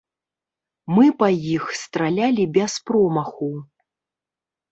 Мы па іх стралялі без промаху.